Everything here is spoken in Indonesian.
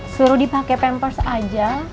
suruh dipake pampers aja